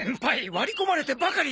割り込まれてばかりですよ。